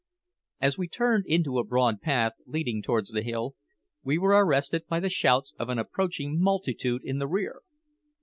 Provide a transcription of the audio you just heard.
As we turned into a broad path leading towards the hill, we were arrested by the shouts of an approaching multitude in the rear.